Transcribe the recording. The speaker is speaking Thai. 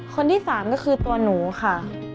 คนที่๓ก็คือตัวหนูค่ะ